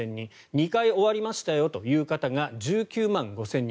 ２回終わりましたよという方が１９万５０００人。